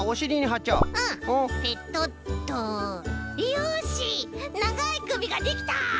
よしながいくびができた！